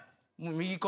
右か？